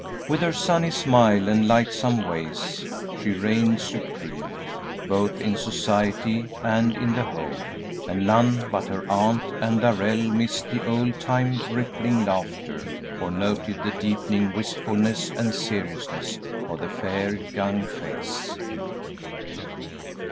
With her sunny smile and lightsome ways she reigned supreme, both in society and in the home, and none but her aunt and Darrell missed the old time rippling laughter or noted the deepening wistfulness and seriousness of the fair young face.